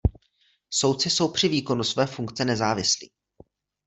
Soudci jsou při výkonu své funkce nezávislí.